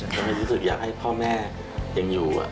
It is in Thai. ก็เลยรู้สึกอยากให้พ่อแม่ยังอยู่